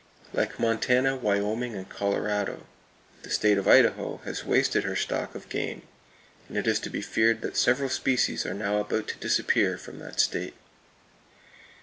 Like Montana, Wyoming and Colorado, the state of Idaho has wasted her stock of game, and it is to be feared that several species are now about to disappear from that state.